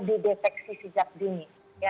didefeksi sejak dini